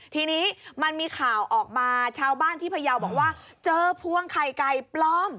ทีนี้มันมีข่าวออกมาชาวบ้านที่พยาวบอกว่าเจอพวงไข่ไก่ปลอม